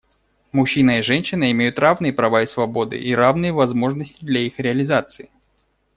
Мужчина и женщина имеют равные права и свободы и равные возможности для их реализации.